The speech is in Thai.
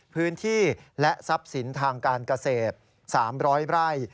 พื้นที่และทรัพย์สินทางการเกษตร๓๐๐ไร่